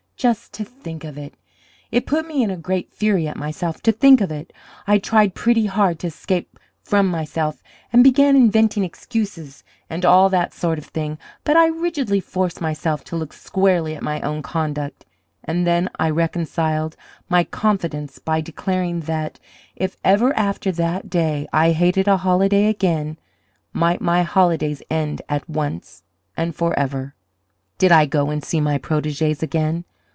Just to think of it! It put me in a great fury at myself to think of it. I tried pretty hard to escape from myself and began inventing excuses and all that sort of thing, but I rigidly forced myself to look squarely at my own conduct. And then I reconciled my confidence by declaring that, if ever after that day I hated a holiday again, might my holidays end at once and forever! "Did I go and see my proteges again?